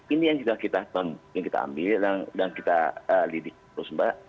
ini yang sudah kita ambil dan kita lidik terus mbak